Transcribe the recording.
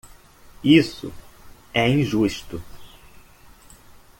Isso é injusto.